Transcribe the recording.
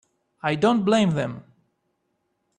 I don't blame them.